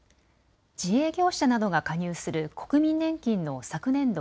自営業者などが加入する国民年金の昨年度